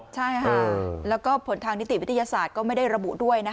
ใช่ค่ะแล้วก็ผลทางนิติวิทยาศาสตร์ก็ไม่ได้ระบุด้วยนะคะ